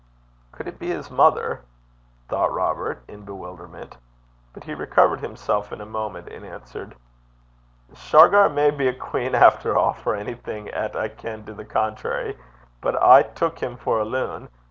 'Cud it be his mither?' thought Robert in bewilderment; but he recovered himself in a moment, and answered, 'Shargar may be a quean efter a', for onything 'at I ken to the contrairy; but I aye tuik him for a loon.